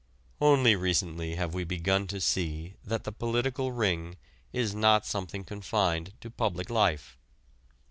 Only recently have we begun to see that the "political ring" is not something confined to public life.